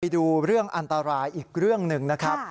ดูเรื่องอันตรายอีกเรื่องหนึ่งนะครับ